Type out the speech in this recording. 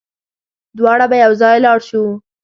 دواړه به يوځای لاړ شو